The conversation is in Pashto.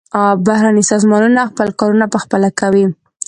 بهرني سازمانونه خپل کارونه پخپله کوي.